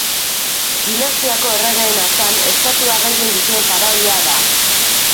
Dinastiako erregeen artean, estatua gehien dituen faraoia da.